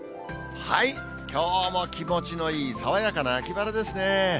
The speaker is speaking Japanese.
きょうはもう気持ちのいい、爽やかな秋晴れですね。